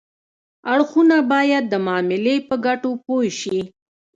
اړخونه باید د معاملې په ګټو پوه شي